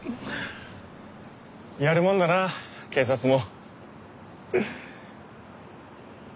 やるもんだな警察も。